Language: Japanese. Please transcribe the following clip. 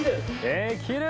できる！